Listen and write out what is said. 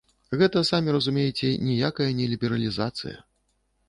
Гэта, самі разумееце, ніякая не лібералізацыя.